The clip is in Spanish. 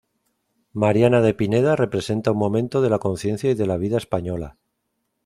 Mariana de Pineda representa un momento de la conciencia y de la vida española.